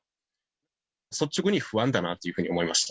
率直に不安だなというふうに思いました。